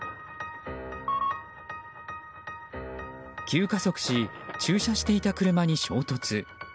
急加速し、駐車していた車に衝突。